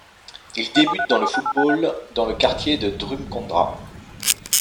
Il débute dans le football dans le quartier de Drumcondra.